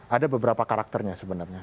ada beberapa karakternya sebenarnya